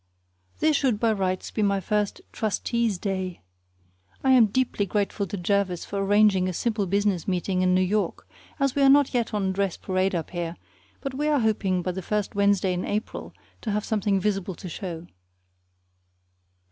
This should by rights be my first "Trustees' Day." I am deeply grateful to Jervis for arranging a simple business meeting in New York, as we are not yet on dress parade up here; but we are hoping by the first Wednesday in April to have something visible to show.